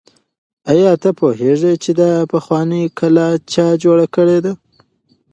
آیا ته پوهېږې چې دا پخوانۍ کلا چا جوړه کړې ده؟